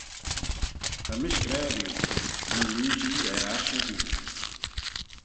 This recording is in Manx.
Ta mish gra riu, ny loo-jee er aght erbee.